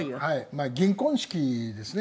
まあ銀婚式ですね。